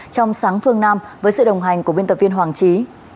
trong sáng phương nam với sự đồng hành của biên tập viên hoàng trí